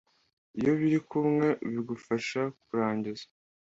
iyo biri kumwe bigufasha kurangiza